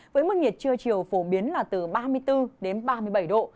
với mức nhiệt trưa chiều phổ biến là từ ba mươi bốn đến ba mươi bảy độ